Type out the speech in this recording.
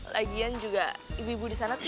lagian juga ibu ibu di sana